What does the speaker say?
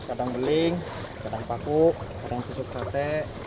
kadang beling kadang paku kadang cucuk sate